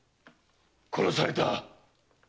殺された！